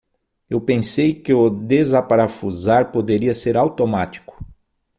Eu pensei que o desaparafusar poderia ser automático.